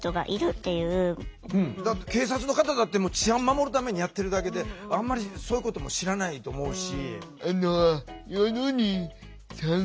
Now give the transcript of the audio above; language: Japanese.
警察の方だって治安守るためにやってるだけであんまりそういうことも知らないと思うし。